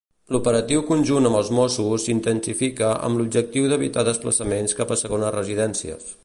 L'operatiu conjunt amb els Mossos s'intensifica amb l'objectiu d'evitar desplaçaments cap a segones residències.